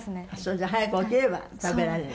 じゃあ早く起きれば食べられる。